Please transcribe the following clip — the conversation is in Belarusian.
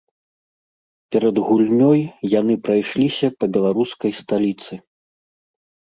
Перад гульнёй яны прайшліся па беларускай сталіцы.